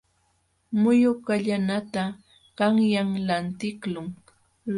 Muyu kallanata qanyan lantiqlun.